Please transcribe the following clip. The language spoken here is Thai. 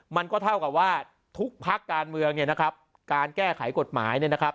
มันก็เท่ากับว่าทุกพักการเมืองเนี่ยนะครับการแก้ไขกฎหมายเนี่ยนะครับ